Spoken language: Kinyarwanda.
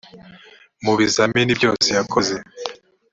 mu bizamini byose yakoze